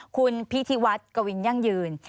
คุณพิธีวัฒน์กวินยั่งยืน